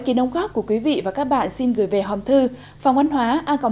hẹn gặp lại các bạn trong những video tiếp theo